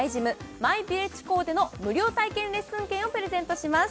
マイビレッジ校での無料体験レッスン券をプレゼントします